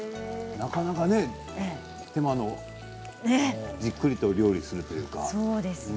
なかなか手間のねじっくりと料理をするというか。